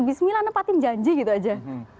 bismillah nepatin janji gitu aja